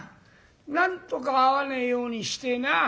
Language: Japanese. なんとか会わねえようにしてえなあ。